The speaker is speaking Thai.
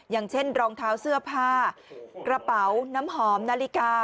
อย่างเช่นรองเท้าเสื้อผ้ากระเป๋าน้ำหอมนาฬิกา